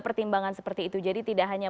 pertimbangan seperti itu jadi tidak hanya